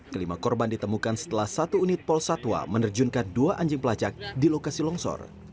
kelima korban ditemukan setelah satu unit pol satwa menerjunkan dua anjing pelacak di lokasi longsor